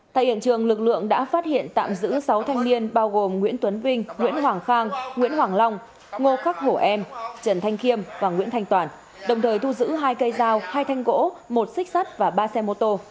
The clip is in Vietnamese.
tại hiện trường lực lượng đã phát hiện tạm giữ sáu thanh niên bao gồm nguyễn tuấn vinh nguyễn hoàng khang nguyễn hoàng long ngô khắc hổ em trần thanh khiêm và nguyễn thanh toàn đồng thời thu giữ hai cây dao hai thanh gỗ một xích sắt và ba xe mô tô